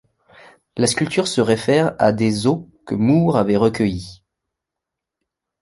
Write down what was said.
La sculpture se réfère à des os que Moore avait recueillis.